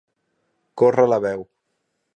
Córrer la veu.